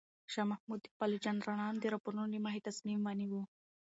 شاه محمود د خپلو جنرالانو د راپورونو له مخې تصمیم ونیو.